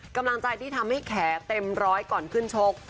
กำลังใจที่ทำให้แขเต็มร้อยก่อนขึ้นชก